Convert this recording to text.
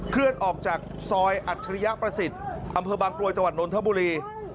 เคลื่อนออกจากซอยอัจฉริยประสิทธิ์อำเภอบางกรวยจังหวัดนทบุรี